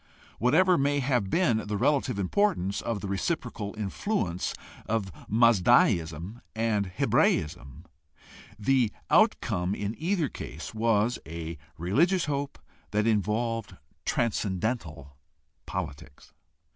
Whatever may have been the relative importance of the reciprocal influ ence of Mazdaism and Hebraism, the outcome in either case was a religious hope that involved transcendental politics.